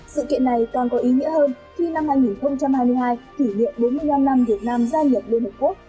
sự kiện này còn có ý nghĩa hơn khi năm hai nghìn hai mươi hai kỷ niệm bốn mươi năm năm việt nam gia nhập liên hợp quốc